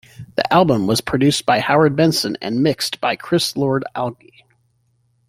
The album was produced by Howard Benson and mixed by Chris Lord-Alge.